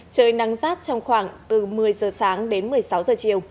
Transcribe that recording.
trời nắng rát trong khoảng từ một mươi h sáng đến một mươi sáu h chiều